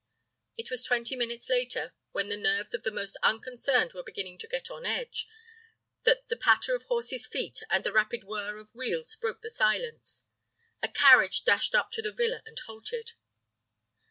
It was twenty minutes later, when the nerves of the most unconcerned were beginning to get on edge, that the patter of horses' feet and the rapid whir of wheels broke the silence. A carriage dashed up to the villa and halted.